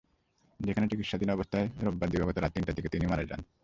সেখানে চিকিৎসাধীন অবস্থায় রোববার দিবাগত রাত তিনটার দিকে তিনি মারা যান।